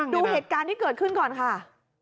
ดูเหตุการณ์ที่เกิดขึ้นก่อนค่ะ